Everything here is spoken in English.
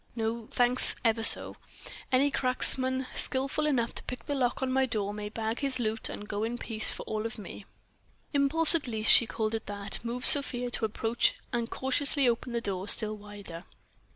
No, thanks ever so: any cracksman skillful enough to pick the lock on the door may bag his loot and go in peace for all of me!" Impulse, at least she called it that, moved Sofia to approach and cautiously open the door still wider.